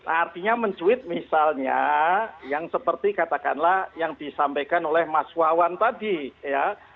artinya mencuit misalnya yang seperti katakanlah yang disampaikan oleh mas wawan tadi ya